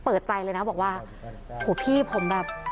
เปิดใจเลยนะบอกว่าโหพี่ผมแบบ